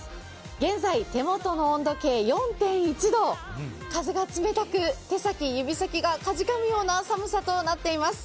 現在手元の温度計４．１度、風が冷たく、手先指先がかじかむような寒さになっています。